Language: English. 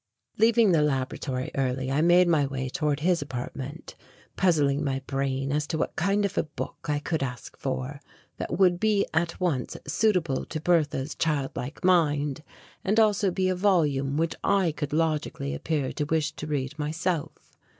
Leaving the laboratory early, I made my way toward his apartment, puzzling my brain as to what kind of a book I could ask for that would be at once suitable to Bertha's child like mind and also be a volume which I could logically appear to wish to read myself.